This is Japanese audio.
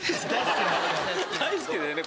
大好きだよね